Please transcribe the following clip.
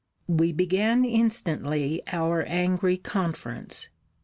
We began instantly our angry conference.